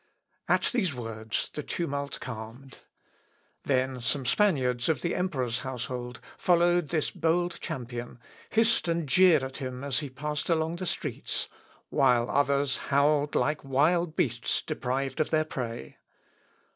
At these words the tumult calmed. Then some Spaniards of the emperor's household, following this bold champion, hissed and jeered at him as he passed along the streets, while others howled like wild beasts deprived of their prey.